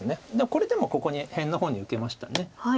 これでもここに辺の方に受けました。